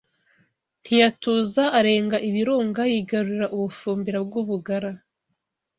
Ntiyatuza, arenga Ibirunga yigarurira u Bufumbira bw’u Bugara